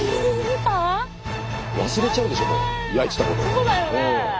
そうだよね。